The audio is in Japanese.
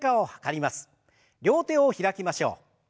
両手を開きましょう。